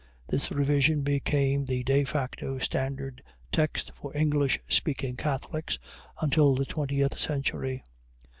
This revision became the 'de facto' standard text for English speaking Catholics until the twentieth century.